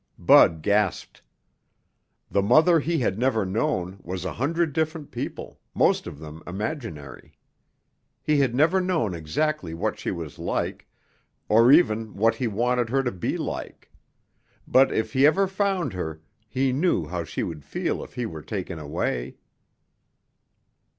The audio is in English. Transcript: Bud gasped. The mother he had never known was a hundred different people, most of them imaginary. He had never known exactly what she was like, or even what he wanted her to be like. But if he ever found her, he knew how she would feel if he were taken away.